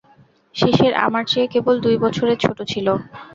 শিশির আমার চেয়ে কেবল দুই বছরের ছোটো ছিল।